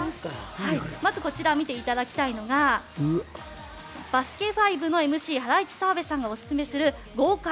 まずこちら見ていただきたいのが「バスケ☆ＦＩＶＥ」ＭＣのハライチ、澤部さんがおすすめする豪快！